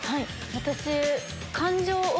私。